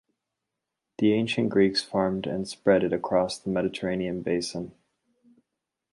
The Ancient Greeks farmed and spread it across the Mediterranean Basin.